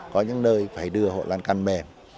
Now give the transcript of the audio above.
có những nơi phải đưa hộ lan can mềm